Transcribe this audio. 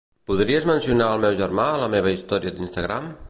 Podries mencionar al meu germà a la meva història d'Instagram?